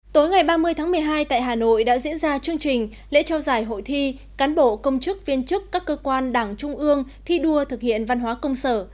tối ngày ba mươi tháng một mươi hai tại hà nội đã diễn ra chương trình lễ trao giải hội thi cán bộ công chức viên chức các cơ quan đảng trung ương thi đua thực hiện văn hóa công sở